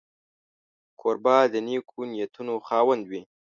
کوربه د نېکو نیتونو خاوند وي.